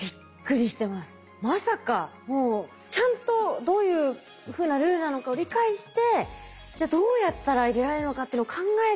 まさかもうちゃんとどういうふうなルールなのかを理解してじゃあどうやったら入れられるのかっていうのを考えて。